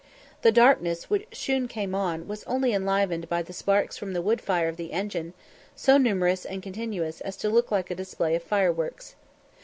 The darkness which soon came on was only enlivened by the sparks from the wood fire of the engine, so numerous and continuous as to look like a display of fireworks.